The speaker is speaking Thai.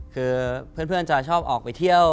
คือเพื่อนจะชอบออกไปเที่ยว